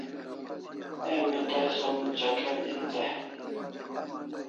Emi tai som chaker en dai